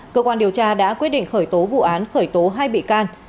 cơ quan điều tra đã quyết định khởi tố vụ án khởi tố hai bị can